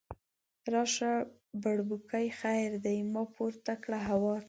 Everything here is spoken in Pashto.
راشه بړبوکۍ خیر دی، ما پورته کړه هوا ته